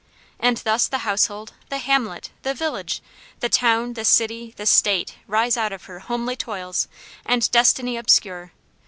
And thus the household, the hamlet, the village, the town, the city, the state, rise out of her "homely toils, and destiny obscure."